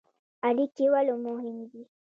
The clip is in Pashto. اړیکې ولې مهمې دي؟